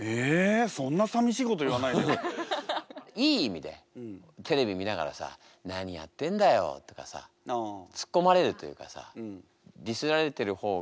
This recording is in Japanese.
いい意味でテレビ見ながらさ「何やってんだよ」とかさツッコまれるというかさ。